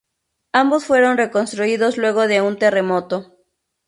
Ambos fueron reconstruidos luego de un terremoto.